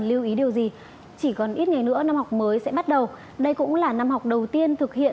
lưu ý điều gì chỉ còn ít ngày nữa năm học mới sẽ bắt đầu đây cũng là năm học đầu tiên thực hiện